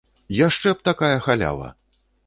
Яшчэ б такая халява!